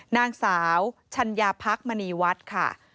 นางสาวชัญญาพักมณีวัดค่ะ